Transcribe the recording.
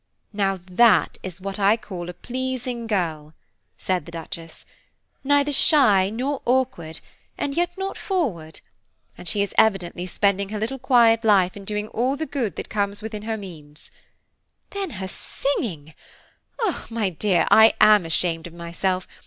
"Now that is what I call a pleasing girl," said the Duchess, "not shy nor awkward, and yet not forward; and she is evidently spending her quiet little life in doing all the good that comes within her means. Then her singing! My dear, I am ashamed of myself.